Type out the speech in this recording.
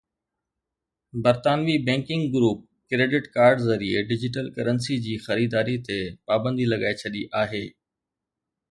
برطانوي banking group credit card ذريعي digital currency جي خريداري تي پابندي لڳائي ڇڏي آهي